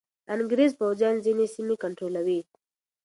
انګریز پوځیان ځینې سیمې کنټرولوي.